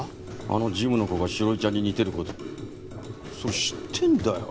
あの事務の子が史織ちゃんに似てる事それ知ってるんだよ